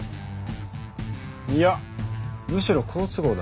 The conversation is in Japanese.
いやむしろ好都合だ。